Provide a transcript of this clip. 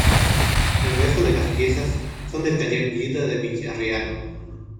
El resto de las piezas son del Taller Viuda de Villarreal.